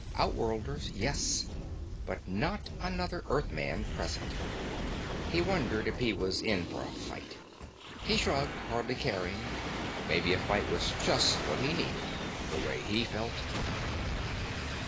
Outworlders, yes. But not another Earthman present. He wondered if he was in for a fight. He shrugged, hardly caring. Maybe a fight was just what he needed, the way he felt.